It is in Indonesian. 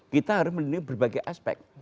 kita harus melindungi berbagai aspek